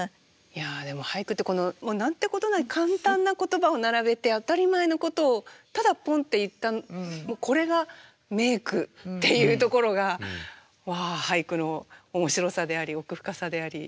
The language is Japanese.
いやでも俳句って何てことない簡単な言葉を並べて当たり前のことをただポンって言ったこれが名句っていうところがわあ俳句の面白さであり奥深さであり。